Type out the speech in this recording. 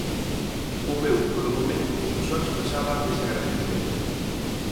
O meu, polo momento, só expresaba desagradecemento.